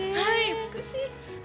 美しい。